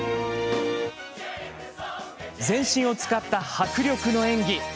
全身を使った迫力の演技！